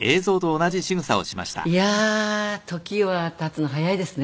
いやー時は経つの早いですね。